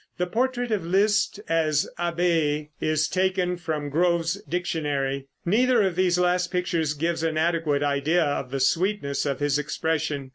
The portrait of Liszt as abbé is taken from Grove's Dictionary. Neither of these last pictures gives an adequate idea of the sweetness of his expression.